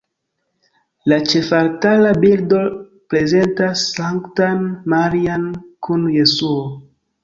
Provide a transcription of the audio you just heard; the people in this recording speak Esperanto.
La ĉefaltara bildo prezentas Sanktan Marian kun Jesuo.